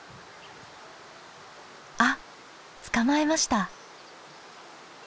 あっ捕まえました。